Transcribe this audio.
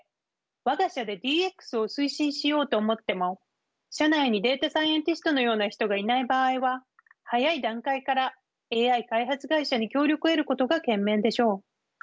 「我が社でＤＸを推進しよう」と思っても社内にデータサイエンティストのような人がいない場合は早い段階からＡＩ開発会社に協力を得ることが賢明でしょう。